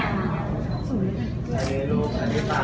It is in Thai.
อันนี้ก็มองดูนะคะ